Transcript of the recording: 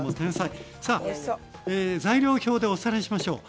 さあ材料表でおさらいしましょう。